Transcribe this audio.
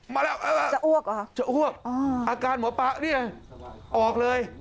มาแล้วจะอ้วกอาการหมอปลานี่ออกเลย